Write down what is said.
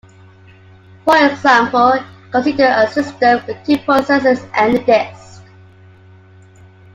For example, consider a system with two processes and a disk.